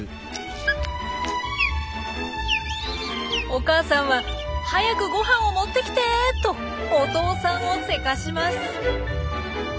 お母さんは「早くごはんを持ってきて！」とお父さんをせかします。